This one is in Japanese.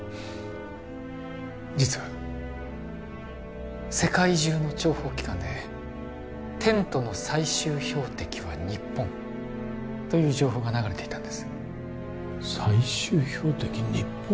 実は世界中の諜報機関で「テントの最終標的は日本」という情報が流れていたんです最終標的日本？